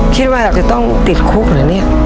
คิดว่าเราจะต้องติดคุกเหรอเนี่ย